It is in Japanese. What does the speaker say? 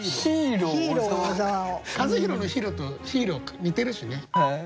一敬の「ひろ」と「ヒーロー」似てるしね。